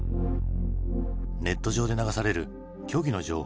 ネット上で流される虚偽の情報。